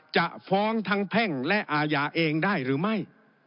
จะฟ้องทั้งแพ่งและอาญาเองได้หรือไม่